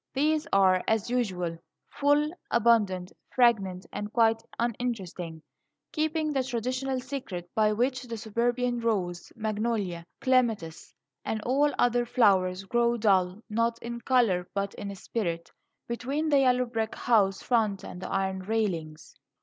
These are, as usual, full, abundant, fragrant, and quite uninteresting, keeping the traditional secret by which the suburban rose, magnolia, clematis, and all other flowers grow dull not in colour, but in spirit between the yellow brick house front and the iron railings.